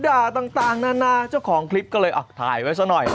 ต่างนานาเจ้าของคลิปก็เลยถ่ายไว้ซะหน่อย